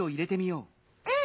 うん！